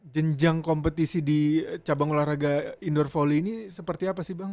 jenjang kompetisi di cabang olahraga indoor volley ini seperti apa sih bang